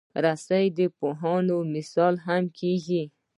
رسۍ د پوهانو مثال هم کېږي.